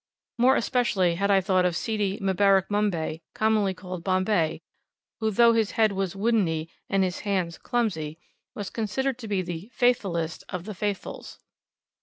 More especially had I thought of Seedy Mbarak Mombay, commonly called "Bombay," who though his head was "woodeny," and his hands "clumsy," was considered to be the "faithfulest" of the "Faithfuls."